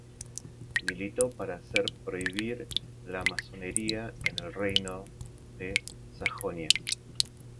Militó para hacer prohibir la masonería en el reino de Sajonia.